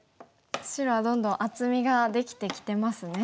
白はどんどん厚みができてきてますね。